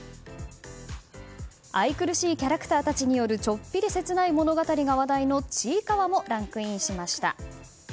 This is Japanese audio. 愛くるしいキャラクターたちによるちょっぴり切ない物語が話題の「ちいかわ」もランクインしました。